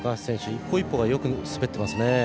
一歩一歩がよく滑ってますね。